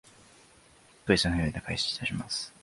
クリスマスイベントを開催いたします